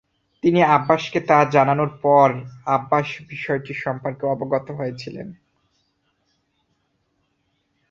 তিনি আব্বাসকে তা জানানোর পর আব্বাস বিষয়টি সম্পর্কে অবগত হয়েছিলেন।